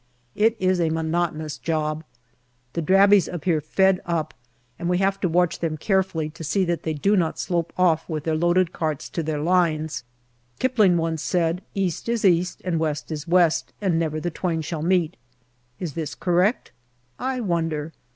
It is a monotonous job. The Drabis appear fed up, and we have to watch them carefully to 288 GALLIPOLI DIARY see that they do not slope off with their loaded carts to their lines. Kipling once said " East is East and West is West, and never the twain shall meet." Is this correct ? I wonder.